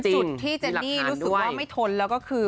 จุดที่เจนนี่รู้สึกว่าไม่ทนแล้วก็คือ